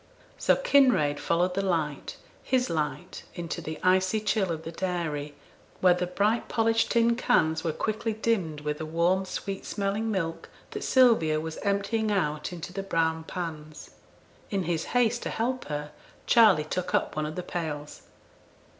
So Kinraid followed the light his light into the icy chill of the dairy, where the bright polished tin cans were quickly dimmed with the warm, sweet smelling milk, that Sylvia was emptying out into the brown pans. In his haste to help her, Charley took up one of the pails.